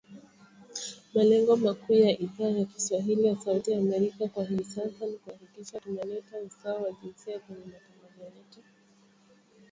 Malengo makuu ya Idhaa ya kiswahili ya Sauti ya Amerika kwa hivi sasa ni kuhakikisha tuna leta usawa wa jinsia kwenye matangazo yetu.